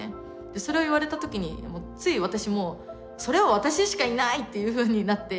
それを言われたときについ私もそれは私しかいない！っていうふうになって。